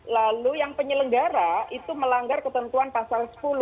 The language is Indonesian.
lalu yang penyelenggara itu melanggar ketentuan pasal sepuluh